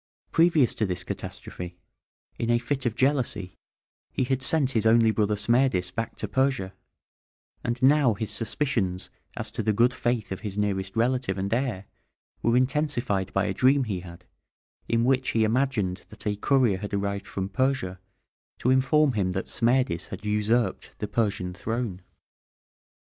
Previous to this catastrophe, in a fit of jealousy, he had sent his only brother Smerdis back to Persia; and now his suspicions as to the good faith of his nearest relative and heir were intensified by a dream he had, in which he imagined that a courier had arrived from Persia to inform him that Smerdis had usurped the Persian throne.